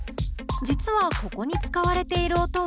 実はここに使われている音は。